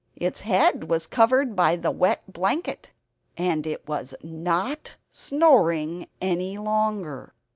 Its head was covered by the wet blanket, and it was NOT SNORING ANY LONGER.